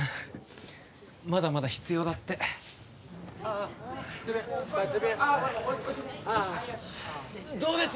まだまだ必要だってどうです？